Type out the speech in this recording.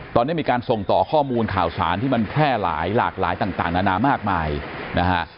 ตอนนี้มีการส่งต่อข้อมูลข่าวสารที่มันแพร่หลายหลากหลายต่างนานามากมายนะฮะ